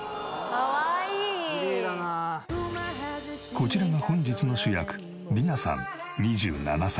こちらが本日の主役リナさん２７歳。